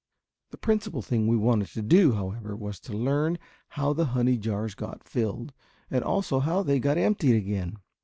The principal thing we wanted to do, however, was to learn how the honey jars got filled and also how they got emptied again!